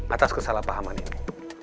atas kesalahpahaman ini